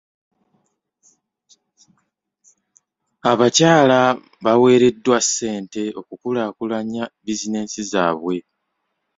Abakyala baweereddwa ssente okukulaakulanya bizinensi zaabwe.